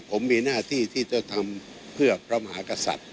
ผมมีหน้าที่ที่จะทำเพื่อพระมหากษัตริย์